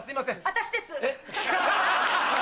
私です！